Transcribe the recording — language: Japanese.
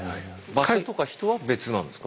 場所とか人は別なんですか？